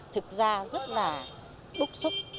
thực ra rất là bốc xúc